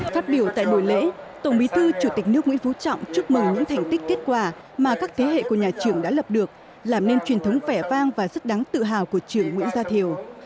phát biểu tại buổi lễ tổng bí thư chủ tịch nước nguyễn phú trọng chúc mừng những thành tích kết quả mà các thế hệ của nhà trường đã lập được làm nên truyền thống vẻ vang và rất đáng tự hào của trường nguyễn gia thiều